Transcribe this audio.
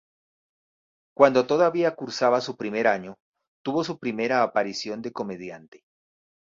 Cuando todavía cursaba primer año, tuvo su primera aparición de comediante.